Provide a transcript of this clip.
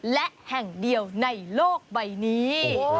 และแห่งเดียวในโลกใบนี้